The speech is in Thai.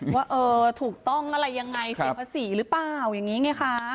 ว่าเออถูกต้องอะไรยังไงเสียภาษีหรือเปล่าอย่างนี้ไงคะ